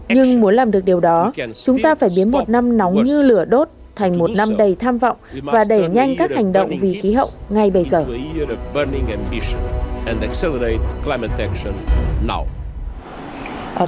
nhưng muốn làm được điều đó chúng ta phải biến một năm nóng như lửa đốt thành một năm đầy tham vọng và đẩy nhanh các hành động vì khí hậu ngay bây giờ